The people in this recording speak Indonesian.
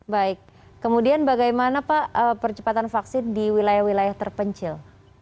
baik kemudian bagaimana pak percepatan vaksin di wilayah wilayah terpencil